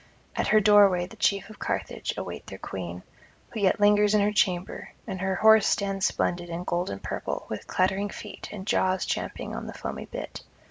At her doorway the chief of Carthage await their queen, who yet lingers in her chamber, and her horse stands splendid in gold and purple with clattering feet and jaws champing on the foamy bit.